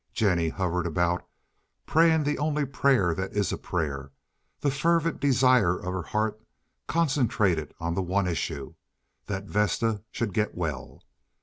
Jennie hovered about, praying the only prayer that is prayer—the fervent desire of her heart concentrated on the one issue—that Vesta should get well.